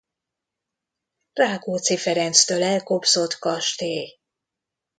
Rákóczi Ferenctől elkobzott kastély.